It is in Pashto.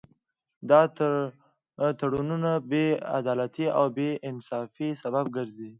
دا تړونونه د بې عدالتۍ او بې انصافۍ سبب ګرځي